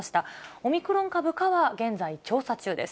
オミクロン株かは現在調査中です。